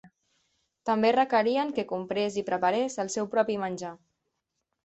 També requerien que comprés i preparés el seu propi menjar.